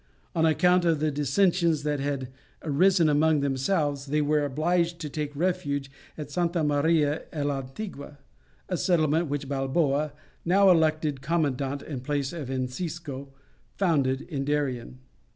On account of the dissensions that had arisen among themselves, they were obliged to take refuge at Santa Maria el Antigua, a settlement which Balboa, now elected commandant in place of Encisco, founded in Darien.